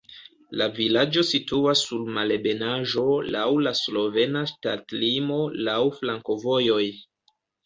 La vilaĝo situas sur malebenaĵo, laŭ la slovena ŝtatlimo, laŭ flankovojoj.